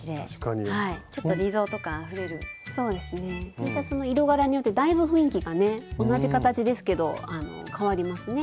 Ｔシャツの色柄によってだいぶ雰囲気がね同じ形ですけどあの変わりますね。